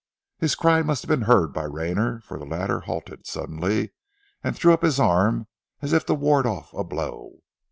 His cry must have been heard by Rayner, for the latter halted suddenly, and threw up his arm as if to ward off a blow.